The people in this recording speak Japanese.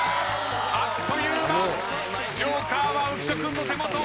あっという間。